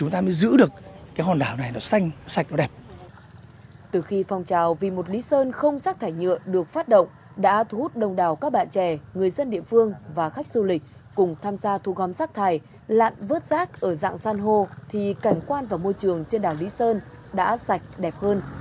từ khi phong trào vì một lý sơn không rác thải nhựa được phát động đã thu hút đông đào các bạn trẻ người dân địa phương và khách du lịch cùng tham gia thu gom rác thải lặn vớt rác ở dạng san hô thì cảnh quan vào môi trường trên đảo lý sơn đã sạch đẹp hơn